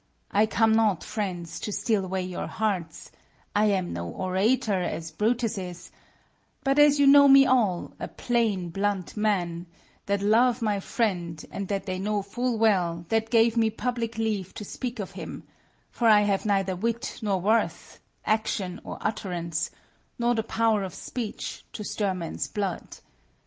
I come not, friends, to steal away your hearts; I am no orator, as Brutus is; But as you know me all, a plain blunt man, That love my friend, and that they know full well That gave me public leave to speak of him: For I have neither wit, nor words, nor worth, Action, nor utterance, nor the power of speech, To stir men's blood.